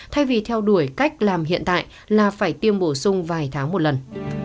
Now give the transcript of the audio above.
thay vì theo đuổi cách làm hiện tại là phải tiêm bổ sung vài tháng một lần